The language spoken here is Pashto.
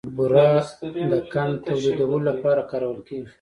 بوره د قند تولیدولو لپاره کارول کېږي.